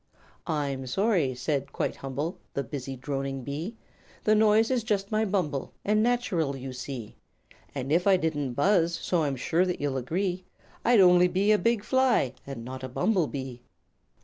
"'"I'm sorry," said, quite humble, the busy droning bee, "The noise is just my bumble, and natural, you see. And if I didn't buzz so I'm sure that you'll agree I'd only be a big fly, and not a bumble bee."'"